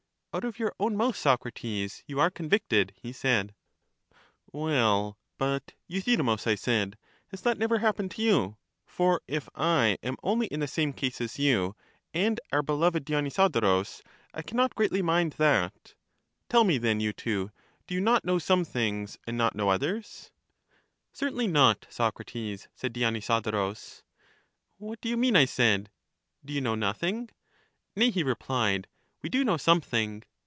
Out of your own mouth, Socrates, you are con victed, he said. Well, but, Euthydemus, I said, has that never hap pened to you ; for if I am only in the same case as you and our beloved Dionysodorus, I can not greatly mind that. Tell me then, you two, do you not know some things, and not know others? Certainly not, Socrates, said Dionysodorus. What do you mean, I said; do you know nothing? Nay, he repKed, we do know something.